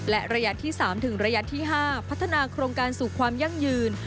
และระยะที่๓ถึงระยะที่๕พัฒนาโครงการสู่ความยั่งยืน